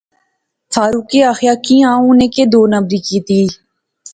فاروقے آخیا کیاں اُنی کیہہ دو نمبر کیتی